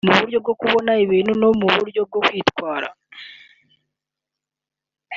mu buryo bwo kubona ibintu no mu buryo bwo kwitwara